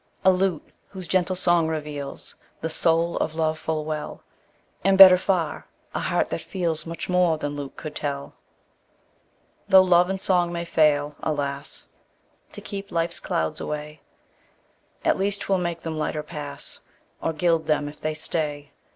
A lute whose gentle song reveals The soul of love full well; And, better far, a heart that feels Much more than lute could tell. Tho' love and song may fail, alas! To keep life's clouds away, At least 'twill make them lighter pass, Or gild them if they stay.